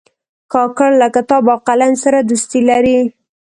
کاکړ له کتاب او قلم سره دوستي لري.